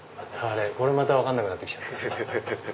これまた分かんなくなって来ちゃった。